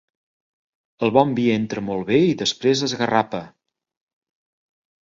El bon vi entra molt bé i després esgarrapa.